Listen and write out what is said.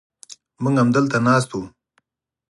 موږ همدلته ناست و.